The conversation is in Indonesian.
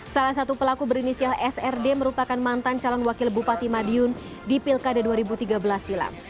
salah satu pelaku berinisial srd merupakan mantan calon wakil bupati madiun di pilkada dua ribu tiga belas silam